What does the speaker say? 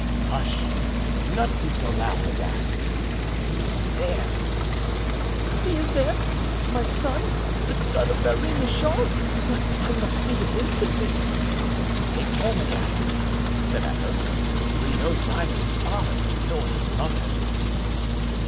"Hush! do not speak so loud, madame; he is there." "He is there! my son! the son of Marie Michon! But I must see him instantly." "Take care, madame," said Athos, "for he knows neither his father nor his mother."